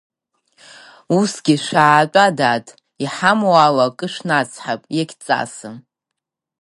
Усгьы шәаатәа, дад, иҳамоу ала акы шәнацҳап, иагьҵасым…